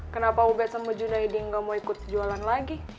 kenapa ubed sama junaidi nggak mau ikut jualan lagi